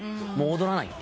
踊らない。